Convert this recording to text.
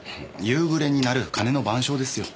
夕暮れに鳴る鐘の『晩鐘』ですよ。